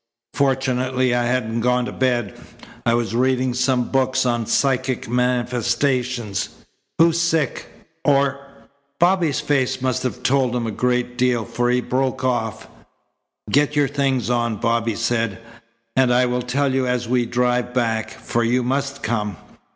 "Fortunately I hadn't gone to bed. I was reading some books on psychic manifestations. Who's sick? Or " Bobby's face must have told him a good deal, for he broke off. "Get your things on," Bobby said, "and I will tell you as we drive back, for you must come.